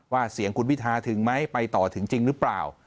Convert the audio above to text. เสียงคุณพิทาถึงไหมไปต่อถึงจริงหรือเปล่า